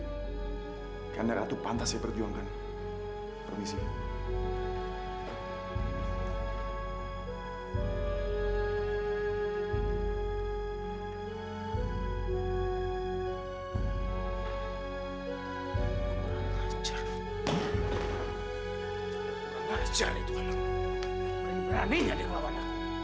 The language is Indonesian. karena ratu pantas saya perjuangkan